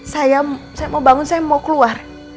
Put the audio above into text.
saya mau bangun saya mau keluar